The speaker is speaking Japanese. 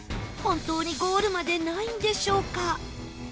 本当にゴールまでないんでしょうか？